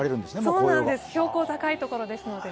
標高が高いところですので。